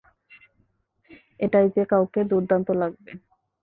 এটায় যে কাউকে দুর্দান্ত লাগবে।